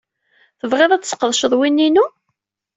Tebɣiḍ ad tesqedceḍ win-inu?